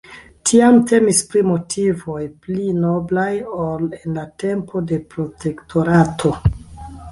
Tiam temis pri motivoj pli noblaj ol en la tempo de Protektorato.